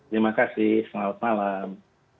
terima kasih selamat malam